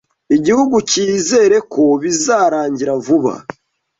Igihugu Cyizere ko bizarangira vuba